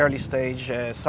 pada tahap awal